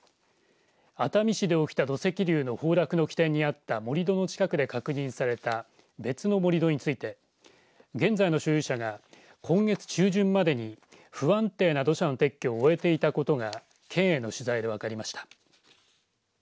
熱海市で起きた土石流の崩落の起点にあった盛り土の近くで確認された別の盛り土について現在の所有者が今月中旬までに不安定な土砂の撤去を行っていたことが県への取材で分かりました。